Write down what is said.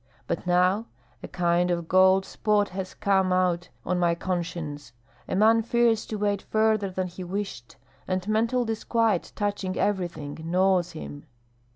But now a kind of galled spot has come out on my conscience. A man fears to wade farther than he wished, and mental disquiet touching everything gnaws him."